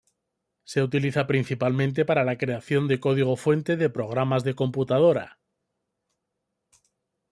Se utiliza principalmente para la creación de código fuente de programas de computadora.